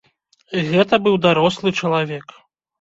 Гэта быў дарослы чалавек.